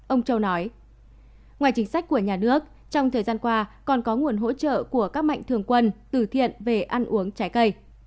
ông châu nói ngoài chính sách của nhà nước trong thời gian qua còn có nguồn hỗ trợ của các mạnh thường quân từ thiện về ăn uống trái cây